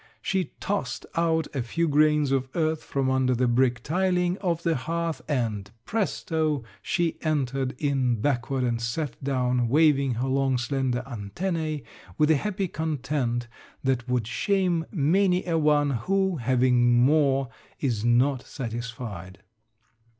She tossed out a few grains of earth from under the brick tiling of the hearth and presto! she entered in backward and sat down waving her long slender antennæ with a happy content that would shame many a one who, having more, is not satisfied.